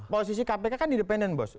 posisi kpk kan independent bos